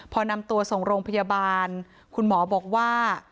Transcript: พอนำตัวส่งโรงพยาบาลคุณหมอบอกว่า